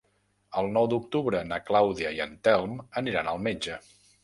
El nou d'octubre na Clàudia i en Telm aniran al metge.